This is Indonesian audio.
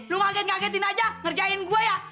lo ngagetin ngagetin aja ngerjain gua ya